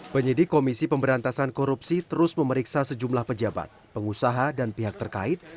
penyidik komisi pemberantasan korupsi terus memeriksa sejumlah pejabat pengusaha dan pihak terkait